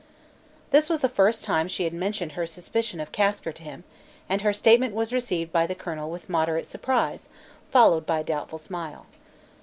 This was the first time she had mentioned her suspicion of Kasker to him, and her statement was received by the colonel with moderate surprise, followed by a doubtful smile.